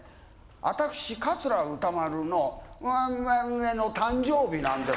私桂歌丸の目の誕生日なんです。